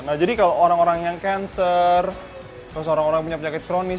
nah jadi kalau orang orang yang cancer terus orang orang punya penyakit kronis